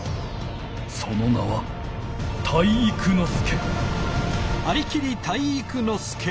その名は体育ノ介！